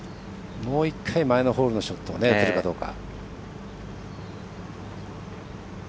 もう１回、前のホールのショットが打てるかどうか。